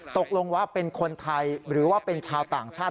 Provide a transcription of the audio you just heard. ตกลงว่าเป็นคนไทยหรือว่าเป็นชาวต่างชาติ